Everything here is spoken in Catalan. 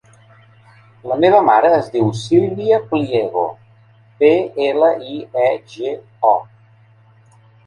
La meva mare es diu Sílvia Pliego: pe, ela, i, e, ge, o.